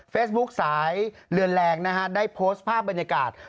สายเรือนแรงนะฮะได้โพสต์ภาพบรรยากาศ